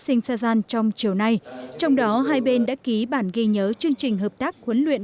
sinh xajan trong chiều nay trong đó hai bên đã ký bản ghi nhớ chương trình hợp tác huấn luyện